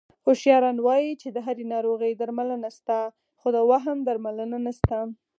هوښیاران وایي چې د هرې ناروغۍ درملنه شته، خو د وهم درملنه نشته...